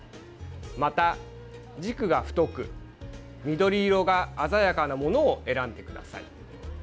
また、軸が太く緑色が鮮やかなものを選んでください。